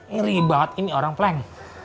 ngeri banget ini orang plank